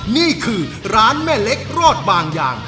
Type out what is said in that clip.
นี่คือร้านแม่เล็กรอดบางอย่าง